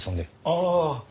ああ。